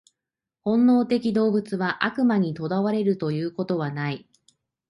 本能的動物は悪魔に囚われるということはない。